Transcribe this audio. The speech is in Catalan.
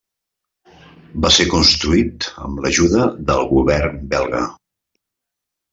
Va ser construït amb l'ajuda del govern belga.